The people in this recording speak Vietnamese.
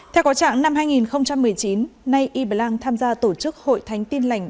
theo có trạng năm hai nghìn một mươi chín nay y blang tham gia tổ chức hội thánh tin lành